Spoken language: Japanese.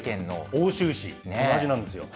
奥州市、同じなんですよ。